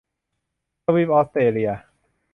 ทวีปออสเตรเลีย